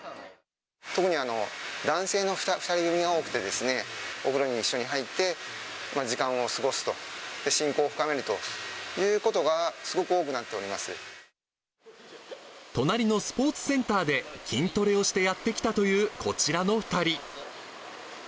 特に男性の２人組が多くてですね、お風呂に一緒に入って、時間を過ごすと、親交を深めるということがすごく多くなっており隣のスポーツセンターで、筋トレをしてやって来たというこちらの２人。